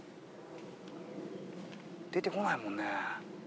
出てこないもんね。